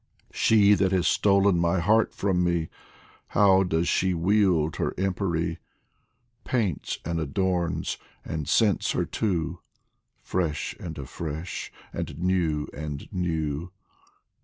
She that has stolen my heart from me, How does she wield her empery ? Paints and adorns and scents her too, Fresh and afresh and new and new